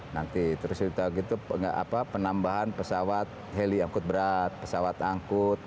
nanti terus gitu penambahan pesawat heli angkut berat pesawat angkut